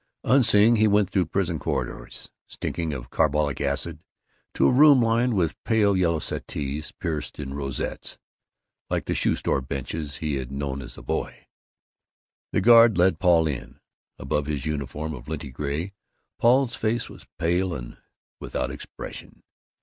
Unseeing he went through prison corridors stinking of carbolic acid to a room lined with pale yellow settees pierced in rosettes, like the shoe store benches he had known as a boy. The guard led in Paul. Above his uniform of linty gray, Paul's face was pale and without expression.